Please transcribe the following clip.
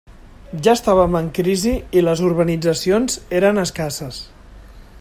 Ja estàvem en crisi i les urbanitzacions eren escasses.